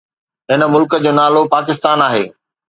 هن ملڪ جو نالو پاڪستان آهي